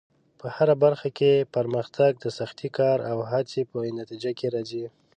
په هره برخه کې پرمختګ د سختې کار او هڅې په نتیجه کې راځي.